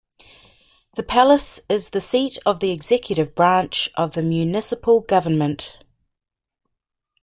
The Palace is the seat of the executive branch of the municipal government.